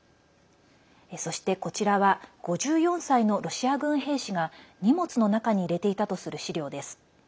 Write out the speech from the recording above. そして、こちらは５４歳のロシア軍兵士が荷物の中に入れていたとする資料です。